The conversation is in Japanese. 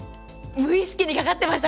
無意識にかかってましたね。ね。